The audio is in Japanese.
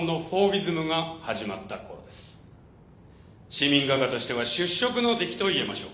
市民画家としては出色の出来と言えましょう。